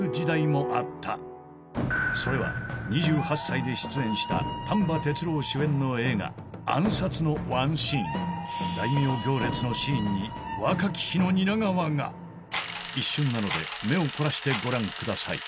その常にしかしそのもあったそれは映画『暗殺』のワンシーン大名行列のシーンに若き日の蜷川が一瞬なので目を凝らしてご覧ください